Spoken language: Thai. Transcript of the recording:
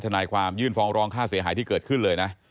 นายความยื่นฟ้องร้องค่าเสียหายที่เกิดขึ้นเลยนะ